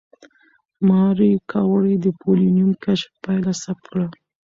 ماري کوري د پولونیم کشف پایله ثبت کړه.